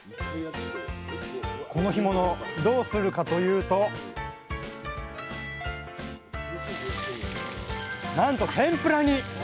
この干物どうするかというとなんと天ぷらに！